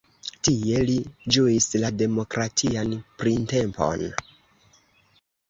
Tie li ĝuis la demokratian printempon.